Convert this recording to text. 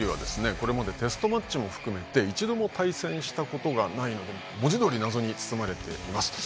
これまでテストマッチも含めて一度も対戦したことがないので文字どおり謎に包まれています。